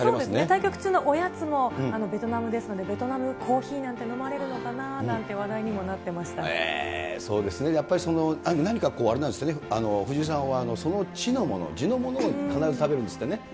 対局中のおやつもベトナムですので、ベトナムコーヒーなんて飲まれるのかななんて話題にもなっていまそうですね、やっぱり何かこう、あれなんですね、藤井さんはその地のもの、地のものを必ず食べるんですってね。